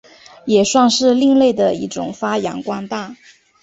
也算是另类的一种发扬光大。